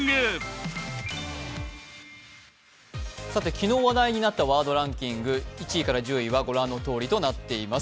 昨日話題になったワードランキング１位から１０位は御覧のとおりとなっています。